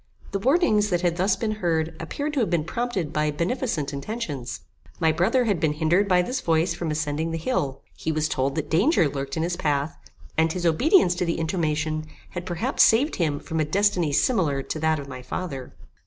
The warnings that had thus been heard appeared to have been prompted by beneficent intentions. My brother had been hindered by this voice from ascending the hill. He was told that danger lurked in his path, and his obedience to the intimation had perhaps saved him from a destiny similar to that of my father.